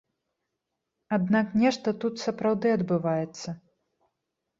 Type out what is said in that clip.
Аднак нешта тут сапраўды адбываецца.